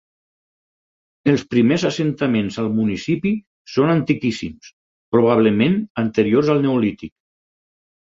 Els primers assentaments al municipi són antiquíssims, probablement anteriors al neolític.